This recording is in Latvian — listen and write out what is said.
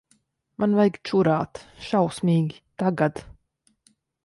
Man vajag čurāt. Šausmīgi. Tagad.